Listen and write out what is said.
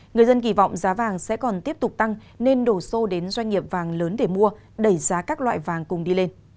người dân kỳ vọng giá vàng sẽ còn tiếp tục tăng nên đổ xô đến doanh nghiệp vàng lớn để mua đẩy giá các loại vàng cùng đi lên